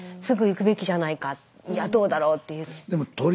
すぐ行くべきじゃないかいやどうだろうっていう。